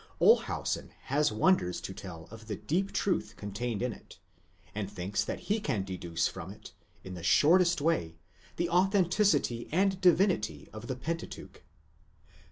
Olshausen has wonders to tell of the deep truth contained in it, and thinks that he can deduce from it, in the shortest way, the authenticity and divinity of the Pentateuch.